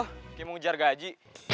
kayak mau ngejar gaji